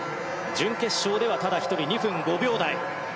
準決勝ではただ１人２分５秒台。